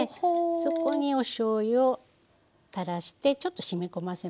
そこにおしょうゆを垂らしてちょっとしみ込ませますね。